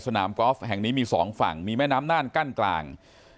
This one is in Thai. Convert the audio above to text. กอล์ฟแห่งนี้มีสองฝั่งมีแม่น้ำน่านกั้นกลาง